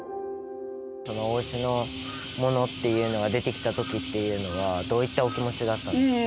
そのおうちのものっていうのが出てきたときっていうのは、どういったお気持ちだったんですか？